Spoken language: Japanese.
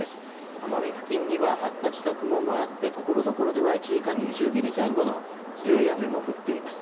奄美付近には発達した雲もあって、ところどころでは１時間に２０ミリ前後の強い雨も降っています。